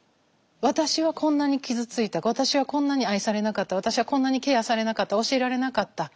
私はこんなに傷ついた私はこんなに愛されなかった私はこんなにケアされなかった教えられなかった。